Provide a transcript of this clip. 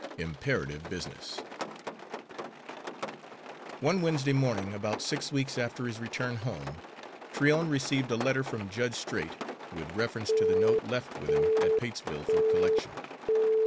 XXII IMPERATIVE BUSINESS One Wednesday morning, about six weeks after his return home, Tryon received a letter from Judge Straight with reference to the note left with him at Patesville for collection.